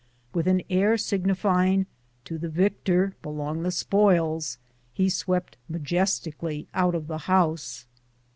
With an air signifying to " the vic tor belong the spoils," he swept majestically out of the house.